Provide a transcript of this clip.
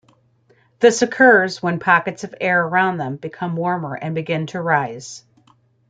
This occurs when pockets of air around them become warmer and begin to rise.